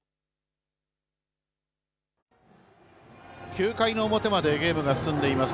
９回の表までゲームが進んでいます。